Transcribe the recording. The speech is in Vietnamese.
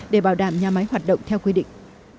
để bảo đảm nhà máy hoạt động theo quy định